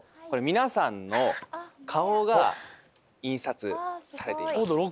これ皆さんの顔が印刷されています。